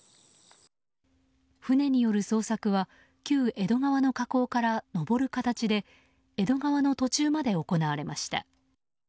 船による捜索は旧江戸川の河口から上る形で江戸川の途中まで行われました。